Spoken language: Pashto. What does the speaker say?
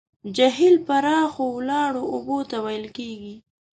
جهیل پراخو ولاړو اوبو ته ویل کیږي.